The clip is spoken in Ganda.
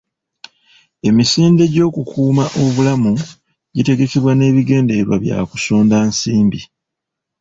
Emisinde gy'okukuuma obulamu gitegekebwa n'ebigendererwa bya kusonda nsimbi.